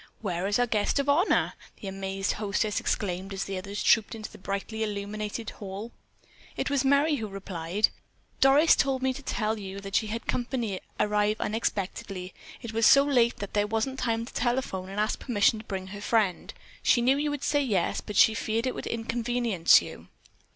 "Why, where is our guest of honor?" the amazed hostess exclaimed as the others trooped into the brightly illuminated hall. Merry it was who replied: "Doris told me to tell you that she had company arrive unexpectedly. It was so late that there wasn't time to telephone and ask permission to bring her friend. She knew you would say yes, but she feared it would inconvenience you."